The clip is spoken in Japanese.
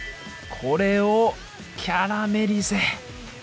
これをキャラメリゼ！